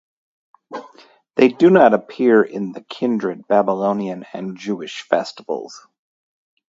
They do not appear in the kindred Babylonian and Jewish festivals.